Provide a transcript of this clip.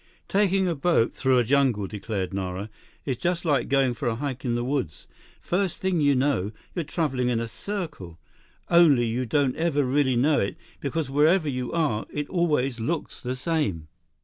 "Taking a boat through a jungle," declared Nara, "is just like going for a hike in the woods. First thing you know, you're traveling in a circle. Only you don't ever really know it, because wherever you are, it always looks the same."